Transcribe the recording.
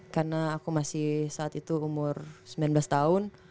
karena aku masih saat itu umur sembilan belas tahun